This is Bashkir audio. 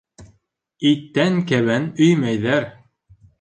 Иттән кәбән өймәйҙәр.